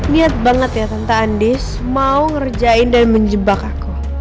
niat banget ya tentang andis mau ngerjain dan menjebak aku